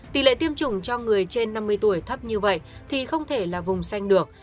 tỷ lệ tiêm chủng cho người trên năm mươi tuổi thấp như vậy thì không thể là vùng xanh được